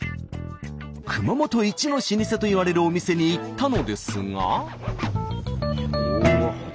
熊本一の老舗といわれるお店に行ったのですが。